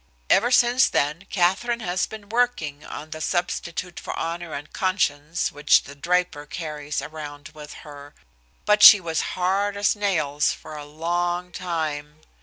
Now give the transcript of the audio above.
"Ever since then, Katherine has been working on the substitute for honor and conscience which the Draper carries around with her but she was hard as nails for a long time.